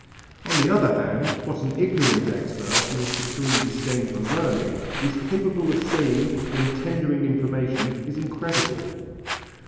On the other hand, what an ignorant expert, in his supreme disdain for learning, is capable of saying when tendering information, is incredible.